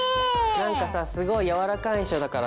何かさすごい柔らかい印象だからさ